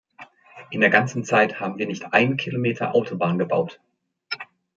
In der ganzen Zeit haben wir nicht einen Kilometer Autobahn gebaut.